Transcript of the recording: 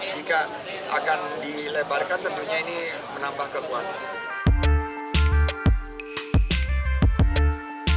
jika akan dilebarkan tentunya ini menambah kekuatan